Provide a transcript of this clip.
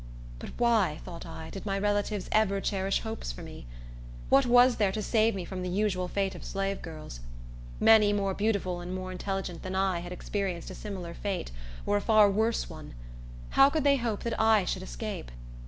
But why, thought I, did my relatives ever cherish hopes for me? What was there to save me from the usual fate of slave girls? Many more beautiful and more intelligent than I had experienced a similar fate, or a far worse one. How could they hope that I should escape?